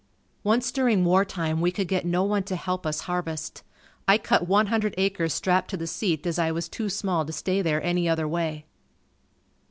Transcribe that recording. Once during war time we could get no one to help us harvest. I cut one hundred acres strapped to the seat as I was too small to stay there any other way.